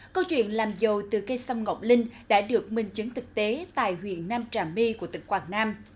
câu chuyện làm giàu từ cây sâm ngọc linh đã được minh chứng thực tế tại huyện nam trà my của tỉnh quảng nam